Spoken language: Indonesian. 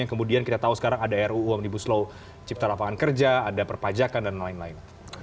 yang kemudian kita tahu sekarang ada ruu omnibus law cipta lapangan kerja ada perpajakan dan lain lain